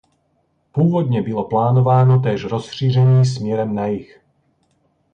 Původně bylo plánováno též rozšíření směrem na jih.